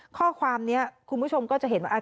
ข้อความนี้คุณผู้ชมก็จะเห็นว่า